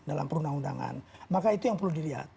dalam perundang undangan maka itu yang perlu dilihat